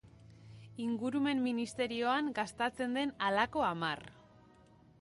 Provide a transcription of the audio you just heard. Ingurumen ministerioan gastatzen den halako hamar.